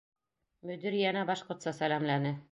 Мөдир йәнә башҡортса сәләмләне: